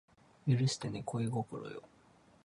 許してね恋心よ